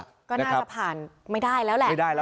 ก็น่าจะผ่านไม่ได้แล้วแหละ